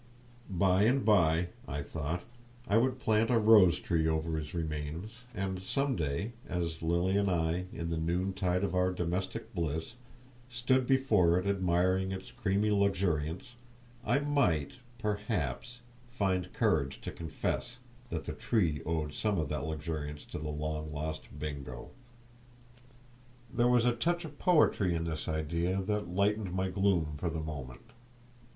By and by, I thought, I would plant a rose tree over his remains, and some day, as Lilian and I, in the noontide of our domestic bliss, stood before it admiring its creamy luxuriance, I might (perhaps) find courage to confess that the tree owed some of that luxuriance to the long lost Bingo. There was a touch of poetry in this idea that lightened my gloom for the moment.